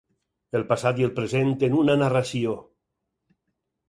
El passat i el present en una narració.